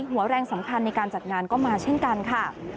หัวแรงสำคัญในการจัดงานก็มาเช่นกันค่ะ